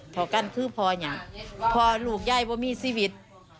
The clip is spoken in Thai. เท่ากันคือพ่อเนี่ยพ่อลูกยายบ่มีชีวิต